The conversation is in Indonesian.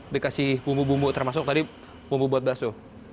dikasih bumbu bumbu termasuk tadi bumbu buat bakso